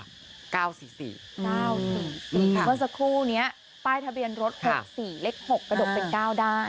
เมื่อสักครู่นี้ป้ายทะเบียนรถ๖๔เลข๖กระดกเป็น๙ได้